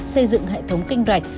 xây dựng hệ thống kinh rạch